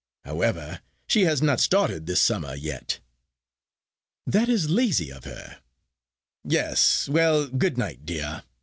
However, she has not started this summer yet." "That is lazy of her." "Yes. Well, good night, dear.